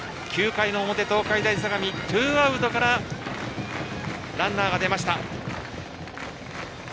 ９回の表、東海大相模ツーアウトからランナーが出ました。